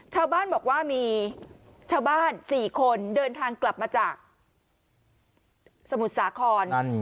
ชาวบ้านบอกว่ามีชาวบ้าน๔คนเดินทางกลับมาจากสมุทรสาคร